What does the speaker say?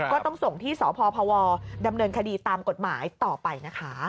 ก็ต้องส่งที่สพพวดำเนินคดีตามกฎหมายต่อไปนะคะ